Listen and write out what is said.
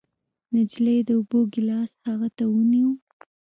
نجلۍ د اوبو ګېلاس هغه ته ونيو.